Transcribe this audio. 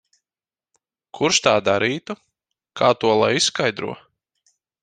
Kurš tā darītu? Kā to lai izskaidro?